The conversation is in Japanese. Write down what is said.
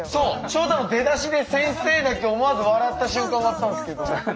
照太の出だしで先生だけ思わず笑った瞬間があったんですけど。